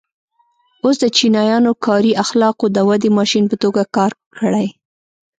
اوس د چینایانو کاري اخلاقو د ودې ماشین په توګه کار کړی.